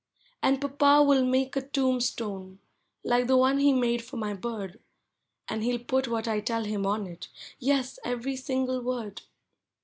And papa will make me a tombstone, like the one he made for my bird ; And he Ml put what I tell him on it—yes. every single word